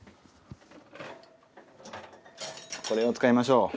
これを使いましょう。